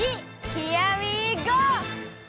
ヒアウィーゴー！